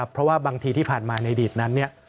เพราะว่าบางทีที่ผ่านมาในอดีตนั้น